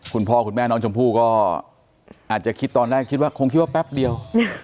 คุณพ่อคุณแม่น้องชมพู่ก็อาจจะคิดตอนแรกคิดว่าคงคิดว่าแป๊บเดียว